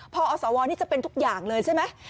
พออสวนี่จะเป็นทุกอย่างเลยใช่ไหม